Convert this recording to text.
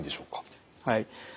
はい。